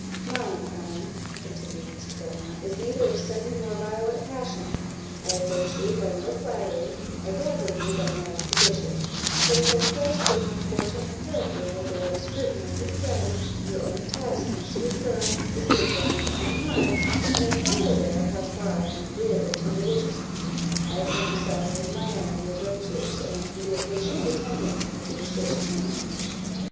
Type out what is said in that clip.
"Mine, Ellen," continued Mr. Belmont, "is neither a sudden nor violent passion; I approach you by no flattery I dazzle you by no exhibition; but as I trust both my fortune and character will bear the scrutiny of your friends, your only task, my sweet girl, is to examine your own heart, and inquire there how far I am agreeable to your wishes. I have been a silent admirer of your virtues, and I can be a patient attendant for your decision."